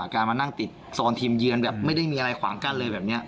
การมานั่งติดโซนทีมเยือนแบบไม่ได้มีอะไรขวางกั้นเลยแบบนี้